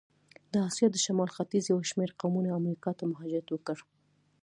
د آسیا د شمال ختیځ یو شمېر قومونه امریکا ته مهاجرت وکړ.